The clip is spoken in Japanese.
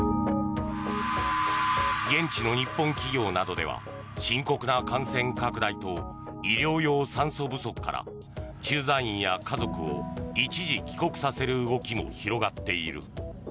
現地の日本企業などでは深刻な感染拡大と医療用酸素不足から駐在員や家族を一時帰国させる動きも広がっている。